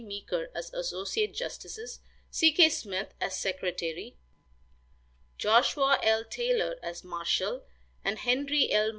Meeker as associate justices, C. K. Smith as secretary, Joshua L. Taylor as marshal, and Henry L.